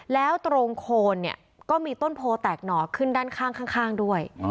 แล้วตรงโคนเนี่ยก็มีต้นโพแตกหน่อขึ้นด้านข้างด้วย